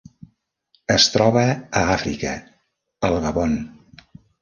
Es troba a Àfrica: el Gabon.